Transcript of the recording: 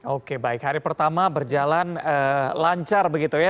oke baik hari pertama berjalan lancar begitu ya